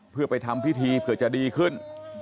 เพื่อไปทำพิธีเผื่อจะดีขึ้น